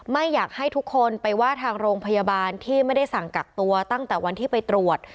ไม่อยากให้ทุกคนไปว่าทางโรงพยาบาลที่ไม่ได้สั่งกักตัวตั้งแต่วันที่ไปตรวจ